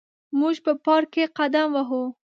موږ په پارک کې قدم وهو.